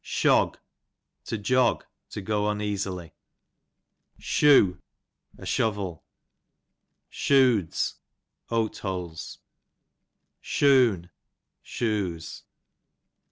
Shog, to jog, to go uneasily. Teu. Shoo, a shovel. Shoods, oat hidls. Shoon, shoes.